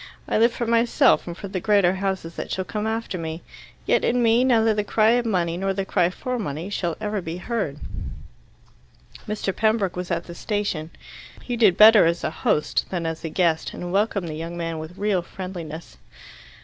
I live for myself and for the greater houses that shall come after me. Yet in me neither the cry of money nor the cry for money shall ever be heard." Mr. Pembroke was at the station. He did better as a host than as a guest, and welcomed the young man with real friendliness.